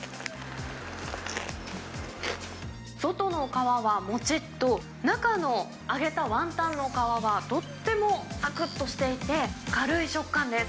外の皮はもちっと、中の揚げたワンタンの皮はとってもさくっとしていて、軽い食感です。